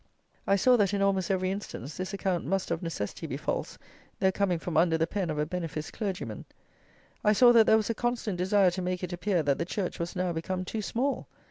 I saw that in almost every instance this account must of necessity be false, though coming from under the pen of a beneficed clergyman. I saw that there was a constant desire to make it appear that the church was now become too small!